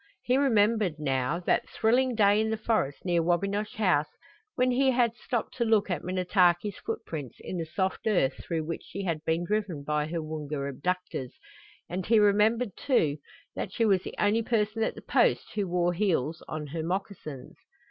He remembered, now, that thrilling day in the forest near Wabinosh House when he had stopped to look at Minnetaki's footprints in the soft earth through which she had been driven by her Woonga abductors, and he remembered, too, that she was the only person at the Post who wore heels on her moccasins.